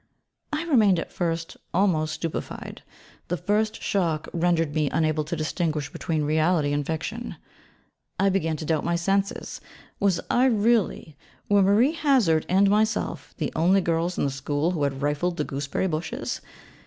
I remained at first almost stupefied: the first shock rendered me unable to distinguish between reality and fiction. I began to doubt my senses: was I really, were Marie Hazard and myself, the only girls in the school who had rifled the gooseberry bushes?